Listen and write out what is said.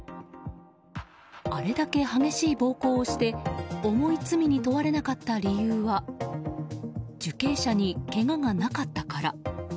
あれだけ激しい暴行をして重い罪に問われなかった理由は受刑者にけががなかったから。